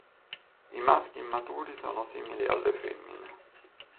I maschi immaturi sono simili alle femmine.